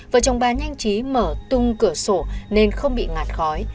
vợ chồng bà nhanh trí mở tung cửa sổ nên không bị ngạt khói